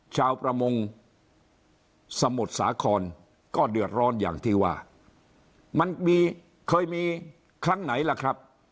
ชาวประมงสมุทรสาครก็เดือดร้อนอย่างที่ว่ามันมีเคยมีครั้งไหนล่ะครับ